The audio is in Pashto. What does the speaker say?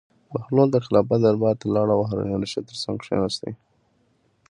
بهلول د خلافت دربار ته لاړ او د هارون الرشید تر څنګ کېناست.